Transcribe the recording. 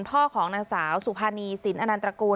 พ่อของนางสาวสุภานีสินอนันตระกูล